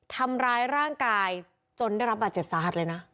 ทำร้ายร่างกายจนได้รับบาดเจ็บสาหัสเลยนะ